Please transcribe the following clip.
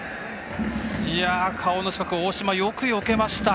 顔の近く、大島、よくよけました。